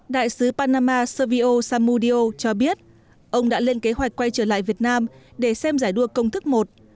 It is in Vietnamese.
đại sứ panama servio samudio cho biết ông đã lên kế hoạch quay trở lại việt nam để xem giải đua công thức một